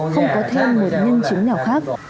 không có thêm một nhân chứng nào khác